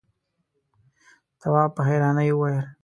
تواب په حيرانی وويل: